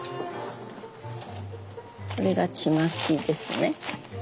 これがちまきですね。